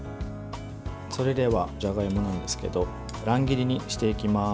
それではじゃがいもなんですけど乱切りにしていきます。